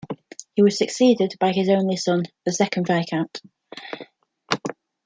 He was succeeded by his only son, the second Viscount.